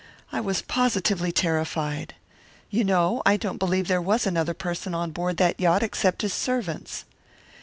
I was positively terrified. You know, I don't believe there was another person on board that yacht except his servants.